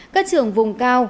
các trường vùng cao